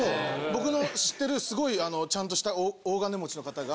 僕の知っているすごいちゃんとした大金持ちの方が。